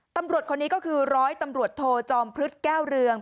ตำรวจคนนี้ก็คือร้อยตำรวจโทจอมพฤษแก้วเรือง